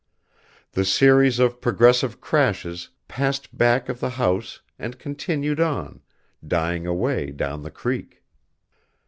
The series of progressive crashes passed back of the house and continued on, dying away down the creek.